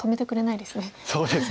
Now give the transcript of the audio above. そうですね。